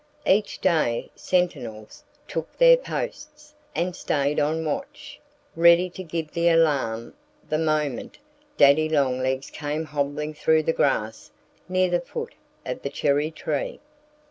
Each day sentinels took their posts and stayed on watch, ready to give the alarm the moment Daddy Longlegs came hobbling through the grass near the foot of the cherry tree.